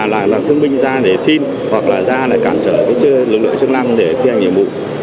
là thương binh ra để xin hoặc là ra để cản trở lực lượng chức năng để thi hành nhiệm vụ